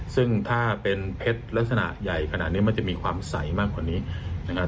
ซึ่งถ้าเป็นเพชรลักษณะใหญ่ขนาดนี้มันจะมีความใสมากกว่านี้นะครับ